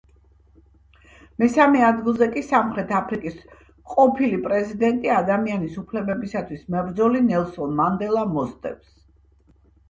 მესამე ადგილზე კი სამხრეთ აფრიკის ყოფილი პრეზიდენტი, ადამიანის უფლებებისთვის მებრძოლი ნელსონ მანდელა მოსდევს.